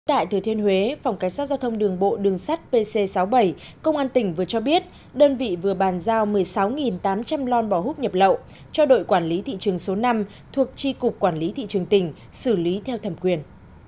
tại thừa thiên huế phòng cảnh sát giao thông đường bộ đường sắt pc sáu mươi bảy công an tỉnh vừa cho biết đơn vị vừa bàn giao một mươi sáu tám trăm linh lon bò hút nhập lậu cho đội quản lý thị trường số năm thuộc tri cục quản lý thị trường tỉnh xử lý theo thẩm quyền